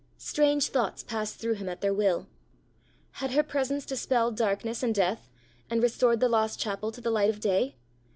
Strange thoughts passed through him at their will. Had her presence dispelled darkness and death, and restored the lost chapel to the light of day?